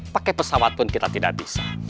pakai pesawat pun kita tidak bisa